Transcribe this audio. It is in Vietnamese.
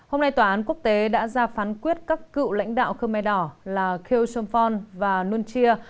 hôm nay tòa án quốc tế đã ra phán quyết các cựu lãnh đạo khmer đỏ là kheo somphong và nunchia